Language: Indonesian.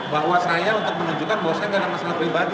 bahwa saya untuk menunjukkan bahwa saya tidak ada masalah pribadi